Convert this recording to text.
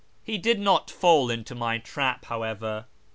" He did not fall into my trap, however.